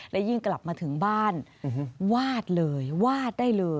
และยิ่งกลับมาถึงบ้านวาดเลยวาดได้เลย